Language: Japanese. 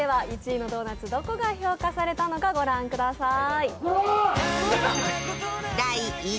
１位のドーナツ、どこが評価されたのか御覧ください。